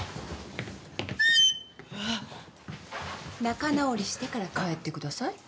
仲直りしてから帰ってください。